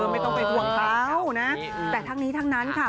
ไม่ต้องไปห่วงเขานะแต่ทั้งนี้ทั้งนั้นค่ะ